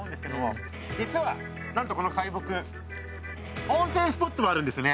実は何とこのサイボク温泉スポットもあるんですね。